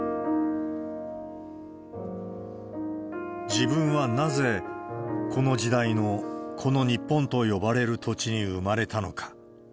自分はなぜ、この時代の、この日本と呼ばれる土地に生まれたのか。